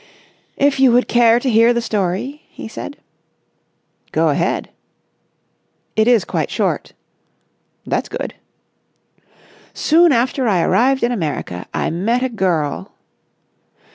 "If you would care to hear the story...?" he said. "Go ahead." "It is quite short." "That's good." "Soon after I arrived in America, I met a girl...."